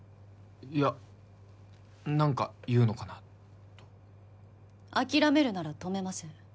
いや何か言うのかなと諦めるなら止めません